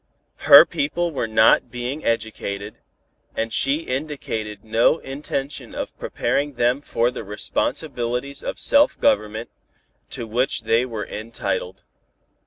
Her people were not being educated, and she indicated no intention of preparing them for the responsibilities of self government, to which they were entitled.